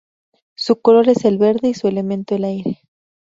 Su color es el verde y su elemento el aire.